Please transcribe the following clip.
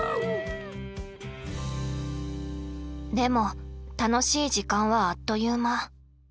でも楽しい時間はあっという間。